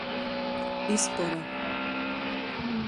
Izpora.